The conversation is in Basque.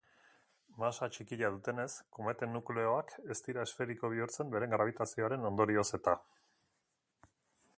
Masa txikia dutenez, kometen nukleoak ez dira esferiko bihurtzen beren grabitazioaren ondorioz eta.